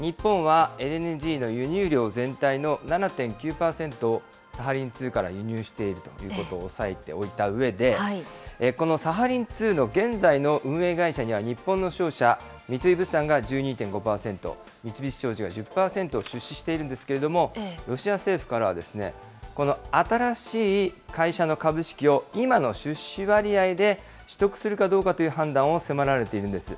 まず、日本はＬＮＧの輸入量の全体の７．９％をサハリン２から輸入しているということを押さえておいたうえで、このサハリン２の現在の運営会社には日本の商社、三井物産が１２．５％、三菱商事が１０％を出資しているんですけれども、ロシア政府からは、この新しい会社の株式を今の出資割合で取得するかどうかという判断を迫られているんです。